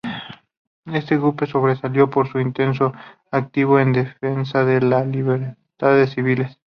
Este grupo sobresalió por su intenso activismo en defensa de las libertades civiles.